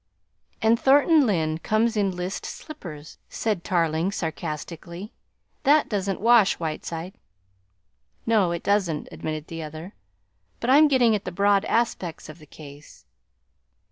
"And Thornton Lyne comes in list slippers," said Tarling sarcastically. "That doesn't wash, Whiteside." "No, it doesn't," admitted the other. "But I'm getting at the broad aspects of the case.